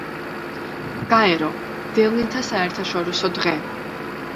გაერო: დევნილთა საერთაშორისო დღე.